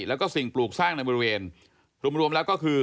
แล้วก็สิ่งปลูกสร้างในบริเวณรวมแล้วก็คือ